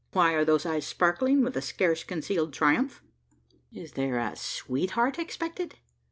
Why are those eyes sparkling with a scarce concealed triumph? Is there a sweetheart expected?